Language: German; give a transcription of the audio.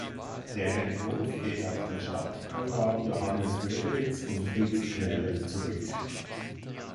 Der Entwurf geht auf den Stadtbaurat Johannes Göderitz und Fritz Kneller zurück.